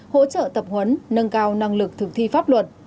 hỗ trợ tập huấn nâng cao năng lực thực thi pháp luật